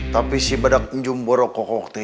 tapi si badak jumboro kok kok